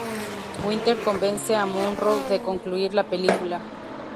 Winter convence a Monroe de concluir la película.